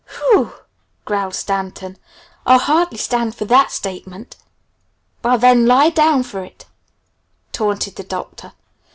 "W h e w!" growled Stanton, "I'll hardly stand for that statement." "Well, then lie down for it," taunted the Doctor.